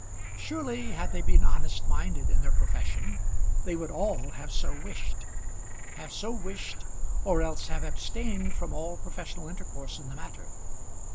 Surely had they been honest minded in their profession they would all have so wished; have so wished, or else have abstained from all professional intercourse in the matter.